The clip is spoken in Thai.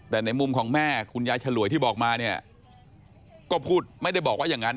แต่ในมุมของแม่คุณยายฉลวยที่บอกมาเนี่ยก็พูดไม่ได้บอกว่าอย่างนั้น